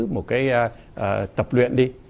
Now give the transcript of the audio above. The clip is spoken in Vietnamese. một cái tập luyện đi